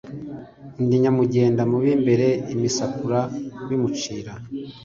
Ndi Nyamugendamubimbere imisakura bimucira